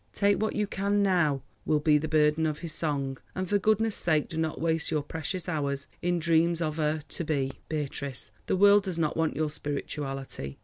Take what you can now will be the burden of his song, and for goodness' sake do not waste your precious hours in dreams of a To Be. Beatrice, the world does not want your spirituality.